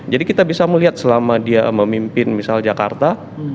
jadi kita bisa melihat selama dia memimpin misal jakarta